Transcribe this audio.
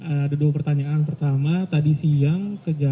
ada dua pertanyaan pertama tadi siang